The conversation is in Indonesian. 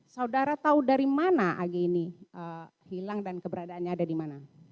saudara tahu dari mana ag ini hilang dan keberadaannya ada di mana